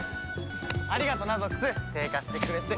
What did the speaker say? ありがとなゾックス手貸してくれて。